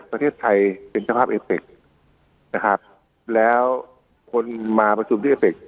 ประเทศไทยเป็นสภาพเอฟเต็กต์นะครับแล้วคนมาประชุมที่เอฟเต็กต์